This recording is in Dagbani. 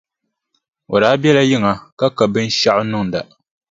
O daa biɛla yiŋa ka ka binshɛɣu n-niŋda.